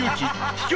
秘境